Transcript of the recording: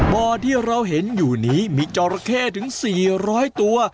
บ่อที่เราเห็นอยู่นี้มีจอราเข้ถึง๔๐๐ตัว